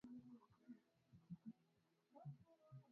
Uishe nafsi yangu, chochote mimi nitatenda